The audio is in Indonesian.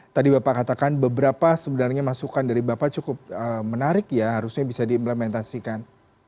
tadi bapak katakan beberapa sebenarnya masukan dari bapak cukup menarik ya harusnya bisa diimplementasikan